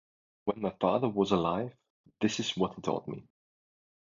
When my father was alive this is what he taught me.